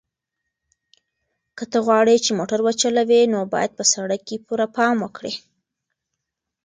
که ته غواړې چې موټر وچلوې نو باید په سړک کې پوره پام وکړې.